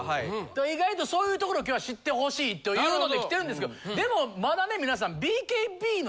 意外とそういうところを今日は知ってほしいというので来てるんですけどでもまだね皆さん。